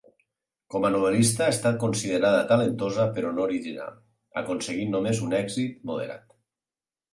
Com a novel·lista ha estat considerada talentosa però no original, aconseguint només un èxit moderat.